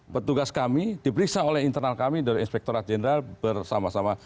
petugas kami diperiksa oleh internal kami dari inspektorat jenderal bersama sama